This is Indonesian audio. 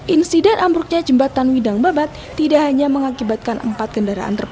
insiden ambruknya jembatan widang babat tidak hanya mengakibatkan empat kendaraan